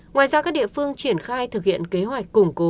ngoài ra các địa phương triển khai thực hiện kế hoạch củng cố